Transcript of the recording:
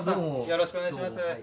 よろしくお願いします。